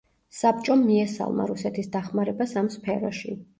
საბჭომ მიესალმა რუსეთის დახმარებას ამ სფეროში.